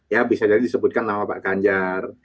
ya bisa jadi disebutkan nama pak ganjar